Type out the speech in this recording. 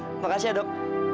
terima kasih dok